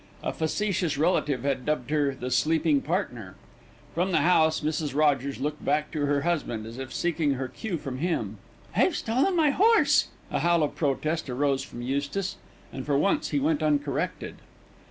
A facetious relative had dubbed her "the sleeping partner." From the house Mrs. Rogers looked back to her husband, as if seeking her cue from him. "They've stolen my horse!" a howl of protest arose from Eustace, and for once he went uncorrected.